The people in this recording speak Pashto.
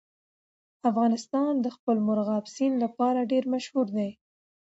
افغانستان د خپل مورغاب سیند لپاره ډېر مشهور دی.